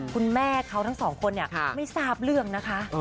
คุณแม่เขาทั้งสองคนไม่ทราบเรื่องนะคะ